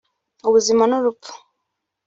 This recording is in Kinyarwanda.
ubuzima n’urupfu”